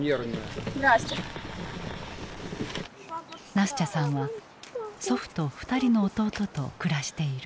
ナスチャさんは祖父と２人の弟と暮らしている。